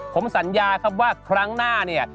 ผมสัญญาครับว่าครั้งหน้าเนี่ย